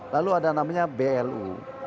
lalu ada namanya blu